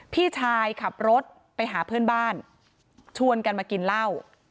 พี่ชายขับรถไปหาเพื่อนบ้านชวนกันมากินเหล้า